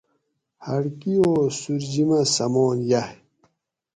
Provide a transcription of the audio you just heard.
ہٹکی او سُورجِیمہ سمان یائی